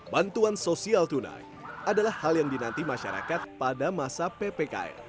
bantuan sosial tunai adalah hal yang dinanti masyarakat pada masa ppkm